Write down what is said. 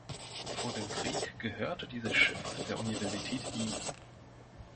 Vor dem Krieg gehörte dieses Schiff der Universität Wien.